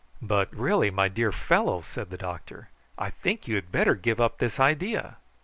"But really, my dear fellow," said the doctor, "I think you had better give up this idea."